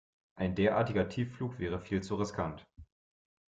Ein derartiger Tiefflug wäre viel zu riskant.